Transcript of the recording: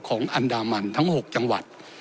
อันดามันทั้ง๖จังหวัด